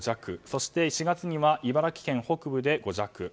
そして４月には茨城県北部で５弱。